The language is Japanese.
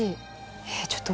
えーちょっと。